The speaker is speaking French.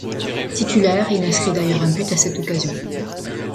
Titulaire, il inscrit d'ailleurs un but à cette occasion.